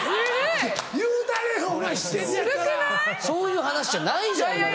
そういう話じゃないじゃん